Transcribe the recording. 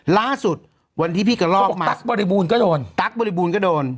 ล่าสุดวันที่พี่กระลอกตั๊กบริบูรณ์ก็โดนตั๊กบริบูรณก็โดน